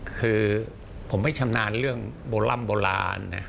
คือผมไม่ชำนาญเรื่องโบราณ